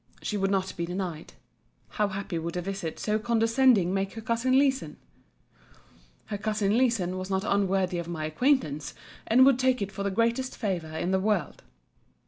She would not be denied. How happy would a visit so condescending make her cousin Leeson!——Her cousin Leeson was not unworthy of my acquaintance: and would take it for the greatest favour in the world.